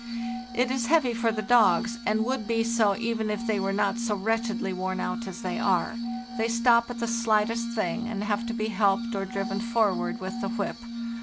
It is heavy for the dogs, and would be so even if they were not so wretchedly worn out as they are; they stop at the slight est thing, and have to be helped or driven forward with the whip.